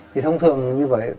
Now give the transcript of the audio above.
thì thông thường như vậy